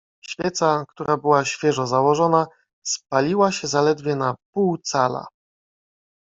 "Świeca, która była świeżo założona, spaliła się zaledwie na pół cala."